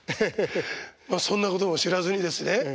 まあそんなことも知らずにですね